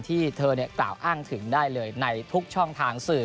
ที่เธอกล่าวอ้างถึงได้เลยในทุกช่องทางสื่อ